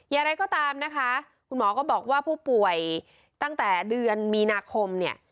อย่างไรก็ตามนะคะคุณหมอก็บอกว่าผู้ป่วยตั้งแต่เดือนมีนาคมเนี่ย